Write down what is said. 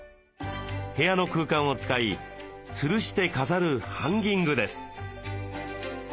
部屋の空間を使いつるして飾るハンギングです。